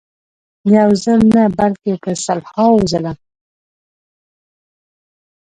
یو ځل نه بلکې په سلهاوو ځله.